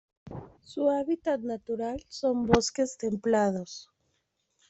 Su hábitat natural son: bosques templados.